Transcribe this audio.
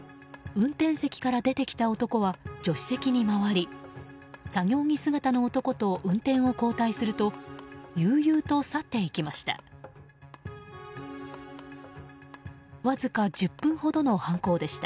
運転席から出てきた男は助手席に回り作業着姿の男と運転を交代すると悠々と去っていきました。